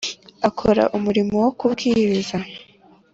Akora umurimo wo kubwiriza